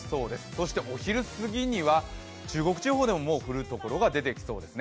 そしてお昼過ぎには中国地方でももう降るところが出てきそうです。